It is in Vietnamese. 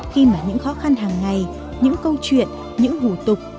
khi mà những khó khăn hàng ngày những câu chuyện những hủ tục